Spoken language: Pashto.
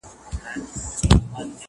کمپيوټر ويزټ شمېرې.